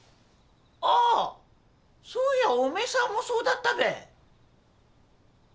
あっそういやおめえさんもそうだったべ。